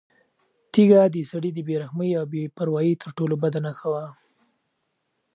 تیږه د سړي د بې رحمۍ او بې پروایۍ تر ټولو بده نښه وه.